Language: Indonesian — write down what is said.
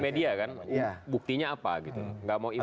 media kan buktinya apa gitu nggak mau itu